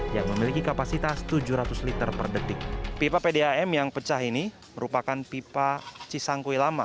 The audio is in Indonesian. yang memiliki kapasitas tujuh ratus liter per detik pipa pdam yang pecah ini merupakan pipa cisangkui lama